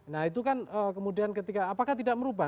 nah itu kan kemudian ketika apakah tidak merubah